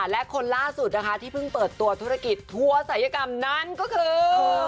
และคนล่าสุดนะคะที่เพิ่งเปิดตัวธุรกิจทัวร์ศัยกรรมนั้นก็คือ